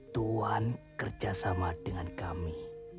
tuhan kerja sama dengan kami